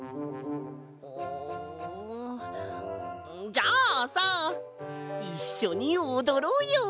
じゃあさいっしょにおどろうよ！